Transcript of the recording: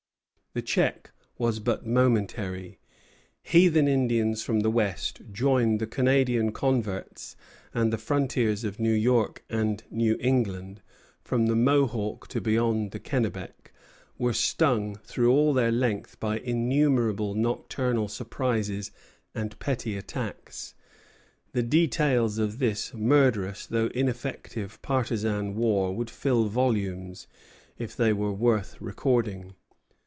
The check was but momentary. Heathen Indians from the West joined the Canadian converts, and the frontiers of New York and New England, from the Mohawk to beyond the Kennebec, were stung through all their length by innumerable nocturnal surprises and petty attacks. The details of this murderous though ineffective partisan war would fill volumes, if they were worth recording.